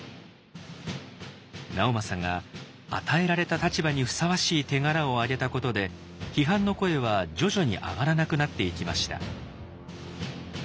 直政が与えられた立場にふさわしい手柄をあげたことで批判の声は徐々に上がらなくなっていきました。